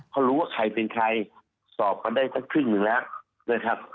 เขารู้ว่าใครเป็นใครสอบกันได้สักครึ่งหนึ่งแล้วนะครับ